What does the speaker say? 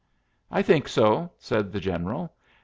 "I think so," said the General.